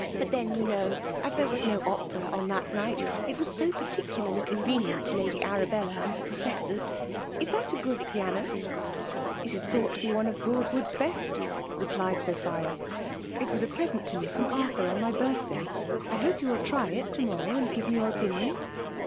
But then, you knows as there was no Opera on that nighty H was so particularly convenient to Lady Ara bella and the professors. — Is that a good piano?*' • f* It is thought to be one of Broi^wood*s r I 238 FEMALE DOMniATI<»<. best," replied Sophia. '' It was a present to IDC from Arthur on my birth day ; I husf^ you will try it to morrow and give me your opinion."